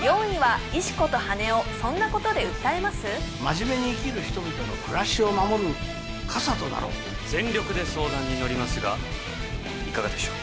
真面目に生きる人々の暮らしを守る傘となろう全力で相談にのりますがいかがでしょう